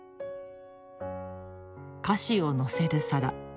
菓子をのせる皿。